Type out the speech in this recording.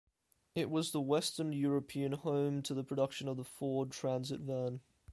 It was the western European home to the production of the Ford Transit van.